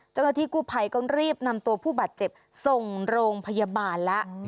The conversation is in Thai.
เจ้าหน้าที่กู้ภัยก็รีบนำตัวผู้บาดเจ็บส่งโรงพยาบาลแล้ว